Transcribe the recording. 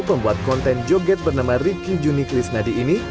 pembuat konten joget bernama ricky juni krishnadi ini